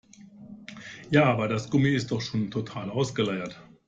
Ja, aber das Gummi ist doch schon total ausgeleiert.